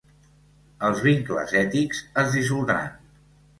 Els vincles ètics es dissoldran.